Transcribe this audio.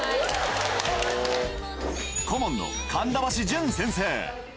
顧問の神田橋純先生。